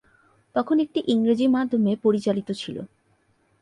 তখন এটি ইংরেজি মাধ্যমে পরিচালিত ছিল।